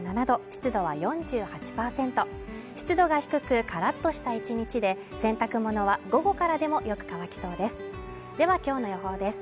湿度が低くカラッとした１日で洗濯物は午後からでもよく乾きそうです